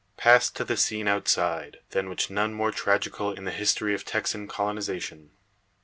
Pass to the scene outside, than which none more tragical in the history of Texan colonisation.